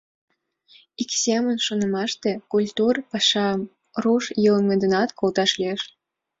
Ик семын шонымаште, культур пашам руш йылме денат колташ лиеш.